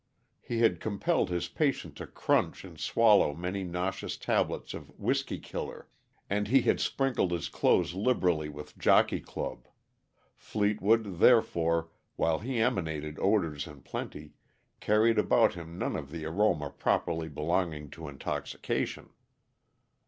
He had compelled his patient to crunch and swallow many nauseous tablets of "whisky killer," and he had sprinkled his clothes liberally with Jockey Club; Fleetwood, therefore, while he emanated odors in plenty, carried about him none of the aroma properly belonging to intoxication.